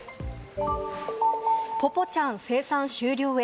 ぽぽちゃん生産終了へ。